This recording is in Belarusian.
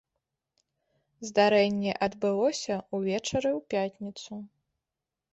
Здарэнне адбылося ўвечары ў пятніцу.